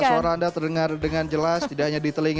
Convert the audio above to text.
suara anda terdengar dengan jelas tidak hanya di telinga